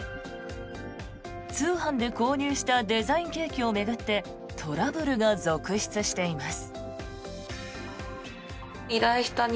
通販で購入したデザインケーキを巡ってトラブルが続出しています。